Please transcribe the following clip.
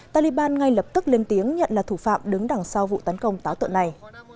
taliban ngay lập tức lên tiếng nhận là thủ phạm đứng đằng sau vụ tấn công táo tượng này